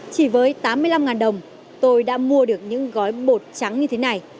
chỉ với tám mươi năm đồng tôi đã mua được những gói bột trắng như thế này